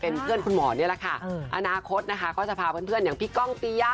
อนาคตนะคะเค้าจะพาเพื่อนอย่างพี่ก้องตียะ